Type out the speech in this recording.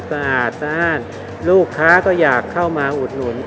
สะอาดสะอ้านลูกค้าก็อยากเข้ามาอุดหนุน